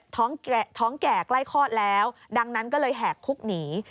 ท้องแก่ใกล้คลอดแล้วดังนั้นก็เลยแหกคุกหนี